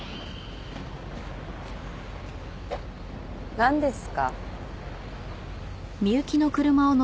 何ですか？